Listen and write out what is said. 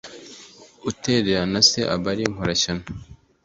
utererana se aba ari inkorashyano